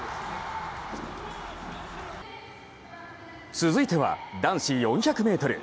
続いては男子４００ｍ。